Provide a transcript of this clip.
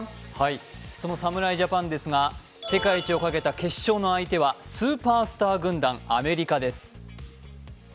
その侍ジャパン、世界一をかけた決勝の相手はスーパースター軍団・アメリカです